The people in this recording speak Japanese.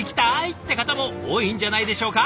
って方も多いんじゃないでしょうか。